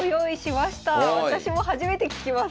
私も初めて聞きます